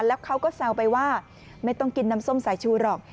แล้วเขาก็แซวไปว่าไม่ต้องกินน้ำส้มสายชูหรอก